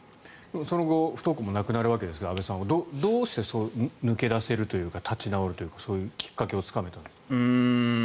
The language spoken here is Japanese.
その後不登校もなくなるわけですが安倍さんはどうしてそう抜け出せるというか立ち直るというかそういうきっかけをつかめたんですか？